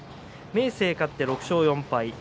明生、勝って６勝４敗。